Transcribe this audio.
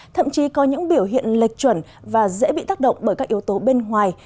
thậm chí có những biểu hiện lệch chuẩn và dễ bị tác động bởi các yếu tố bên ngoài